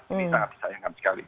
ini sangat disayangkan sekali